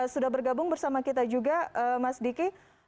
sudah bergabung bersama kita juga mas diki